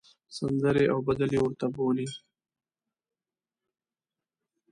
سندرې او بدلې ورته بولۍ.